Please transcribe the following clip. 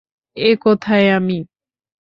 এ কোথায় আমি?